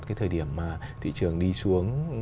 cái thời điểm mà thị trường đi xuống